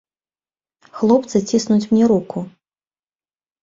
Хлопцы ціснуць мне руку.